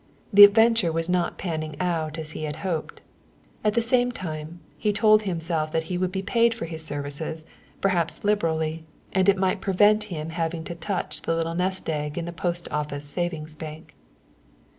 The adventure was not panning out as he had hoped. At the same time, he told himself that he would be paid for his services, perhaps liberally, and it might prevent him having to touch the little nest egg in the Post Office Savings Bank.